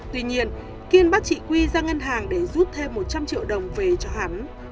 tuy nhiên kiên bác chị quy ra ngân hàng để rút thêm một trăm linh triệu đồng về cho hắn